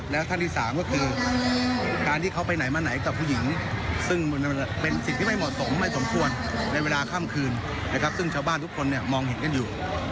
และก็จะสมไม่สมควรในเวลาค่ำคืนซึ่งชาวบ้านทุกคนมองเห็นกันอยู่